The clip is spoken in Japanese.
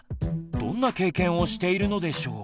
どんな経験をしているのでしょう？